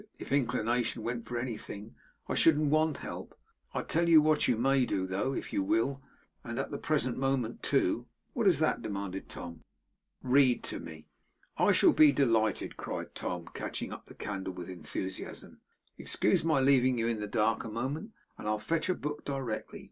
If inclination went for anything, I shouldn't want help. I tell you what you may do, though, if you will, and at the present moment too.' 'What is that?' demanded Tom. 'Read to me.' 'I shall be delighted,' cried Tom, catching up the candle with enthusiasm. 'Excuse my leaving you in the dark a moment, and I'll fetch a book directly.